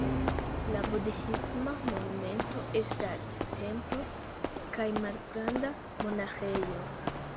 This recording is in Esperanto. La Budhisma monumento estas templo kaj malgranda monaĥejo.